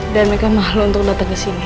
dan mereka malu untuk datang ke sini